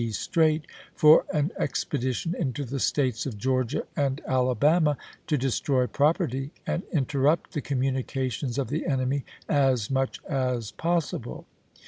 D. Streight, for an expedition into the States of Georgia and Alabama, to destroy property and in terrupt the communications of the enemy as much as possible.